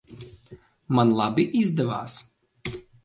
Man labi izdevās?